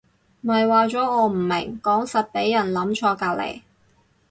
咪話咗我唔明講實畀人諗錯隔離